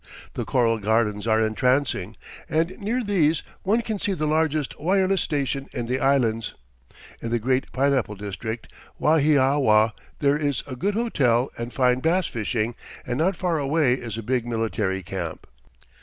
The coral gardens are entrancing, and near these one can see the largest wireless station in the Islands. In the great pineapple district, Wahiawa, there is a good hotel and fine bass fishing, and not far away is a big military camp.